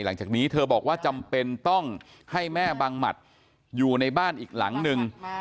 หลังจากนี้เธอบอกว่าจำเป็นต้องให้แม่บังหมัดอยู่ในบ้านอีกหลังนึง